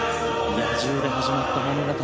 野獣で始まった物語。